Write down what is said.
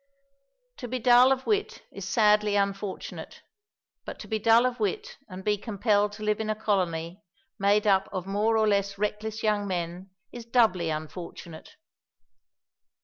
_ To be dull of wit is sadly unfortunate, but to be dull of wit and be compelled to live in a Colony made up of more or less reckless young men is doubly unfortunate.